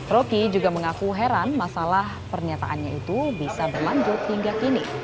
roky juga mengaku heran masalah pernyataannya itu bisa berlanjut hingga kini